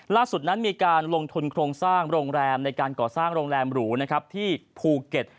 ล่าสุดนั้นมีการลงทุนโครงสร้างโรงแรมในการก่อสร้างโรงแรมหรูนะครับที่ภูเก็ต